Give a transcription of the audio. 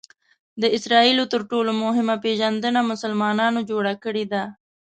د اسراییلو تر ټولو مهمه پېژندنه مسلمانانو جوړه کړې ده.